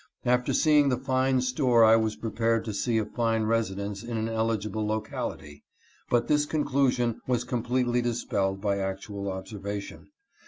After seeing the fine store I was prepared to see a fine residence in an eligible local ity, but this conclusion was completely dispelled by actual observation.